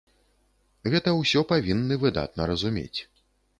Гэта ўсё павінны выдатна разумець.